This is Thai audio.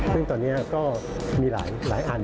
ซึ่งตอนนี้ก็มีหลายอัน